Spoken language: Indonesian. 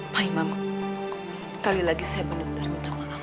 pak imam sekali lagi saya benar benar minta maaf